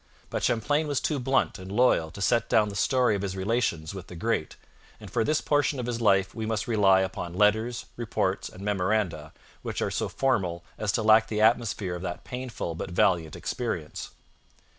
But Champlain was too blunt and loyal to set down the story of his relations with the great, and for this portion of his life we must rely upon letters, reports, and memoranda, which are so formal as to lack the atmosphere of that painful but valiant experience.